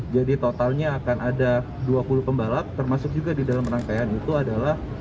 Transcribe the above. jadi totalnya akan ada dua puluh pembalap termasuk juga di dalam rangkaian itu adalah